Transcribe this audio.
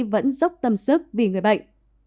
vẫn dốc tâm sức vì người bệnh